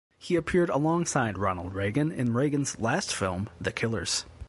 He appeared alongside Ronald Reagan in Reagan's last film, "The Killers".